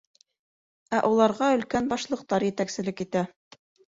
Ә уларға Өлкән Башлыҡтар етәкселек итә.